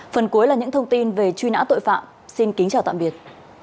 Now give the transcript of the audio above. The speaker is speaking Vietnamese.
phần cuối là những thông tin về truy nã tội phạm xin kính chào tạm biệt